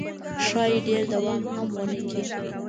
ښایي ډېر دوام هم ونه کړي.